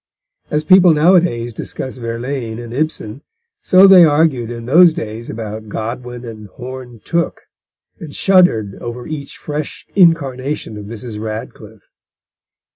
As people nowadays discuss Verlaine and Ibsen, so they argued in those days about Godwin and Horne Tooke, and shuddered over each fresh incarnation of Mrs. Radcliffe.